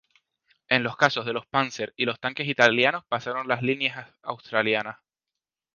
En los casos de los Panzers y los tanques italianos, pasaron las líneas australianas.